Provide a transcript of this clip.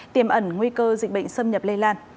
tiềm ẩn nguy cơ dịch bệnh xâm nhập lây lan